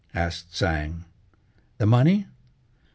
asked Tsang. "The money?